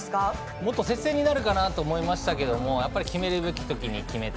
もっと接戦になるかなと思いましたけど決めるべき時に決めた。